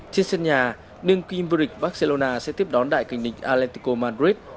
trên sân nhà nương kimberic barcelona sẽ tiếp đón đại kinh địch atlético madrid